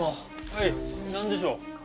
はいなんでしょう？